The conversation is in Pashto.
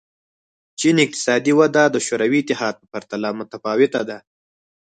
چین اقتصادي وده د شوروي اتحاد په پرتله متفاوته ده.